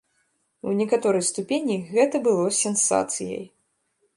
У некаторай ступені гэта было сенсацыяй.